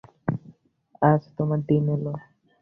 আজ তোমার দিন এল।